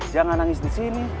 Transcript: jangan nangis di sini